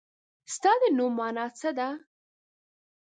ستا د نوم مانا څه ده ؟